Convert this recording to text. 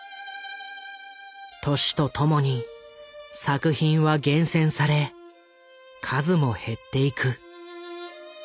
年とともに作品は厳選され数も減っていく。